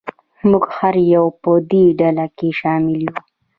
موږ هر یو په دې ډله کې شامل یو.